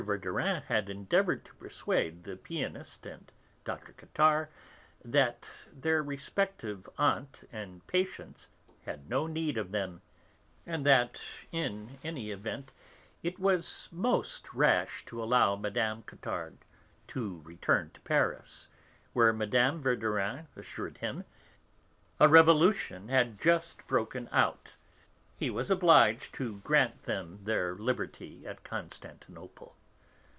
Verdurin had endeavoured to persuade the pianist and Dr. Cottard that their respective aunt and patients had no need of them, and that, in any event, it was most rash to allow Mme. Cottard to return to Paris, where, Mme. Verdurin assured him, a revolution had just broken out, he was obliged to grant them their liberty at Constantinople.